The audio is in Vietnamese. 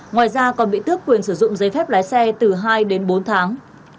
ngoài ra còn bị tước quyền sử dụng giấy phép lái xe từ hai đến bốn tháng